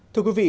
thưa quý vị